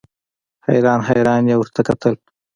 حیران حیران یې ورته کتل.